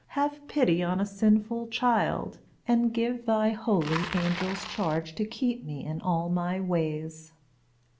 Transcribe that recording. have pity on a sinful child, and give thy holy angels charge to keep me in all my ways."